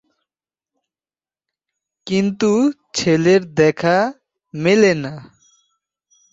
কিন্তু ছেলের দেখা মেলে না।